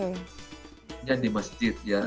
kemudian di masjid ya